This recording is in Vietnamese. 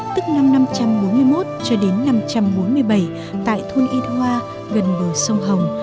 tức năm năm trăm bốn mươi một cho đến năm trăm bốn mươi bảy tại thôn yên hoa gần bờ sông hồng